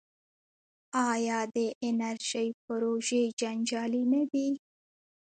آیا د انرژۍ پروژې جنجالي نه دي؟